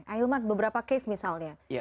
ahilmat beberapa case misalnya